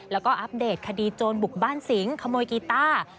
แล้วก็อัปเดตคดีโจรบุกบ้านสิงขโมยกีต้า